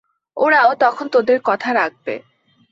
ওরাও তখন তোদের কথা রাখবে।